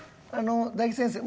大吉先生